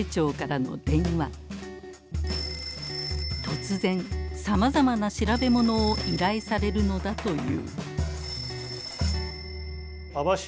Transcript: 突然さまざまな調べものを依頼されるのだという。